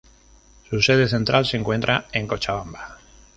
Su sede central se encuentra en Cochabamba